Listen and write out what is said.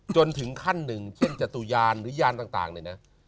จนถึงขั้นหนึ่งเช่นจตุยานหรือยานต่างเนี่ยนะ